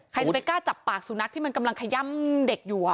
ใครจะไปกล้าจับปากสุนัขที่มันกำลังขย่ำเด็กอยู่